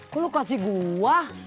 kok lu kasih gua